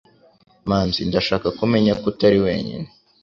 Manzi, ndashaka ko umenya ko utari wenyine.